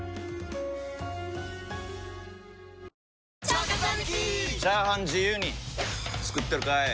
チャーハン自由に作ってるかい！？